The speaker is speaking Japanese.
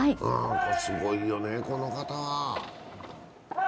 すごいよね、この方は。